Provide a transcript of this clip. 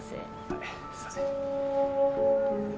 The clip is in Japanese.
はいすいません。